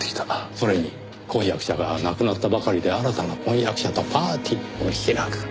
それに婚約者が亡くなったばかりで新たな婚約者とパーティーを開く。